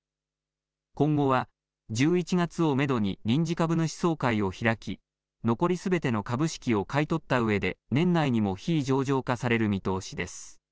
今後は１１月をめどに臨時株主総会を開き残りすべての株式を買い取ったうえで年内にも非上場化される見通しです。